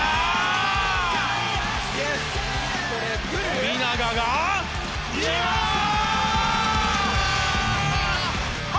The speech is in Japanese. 富永が決めました！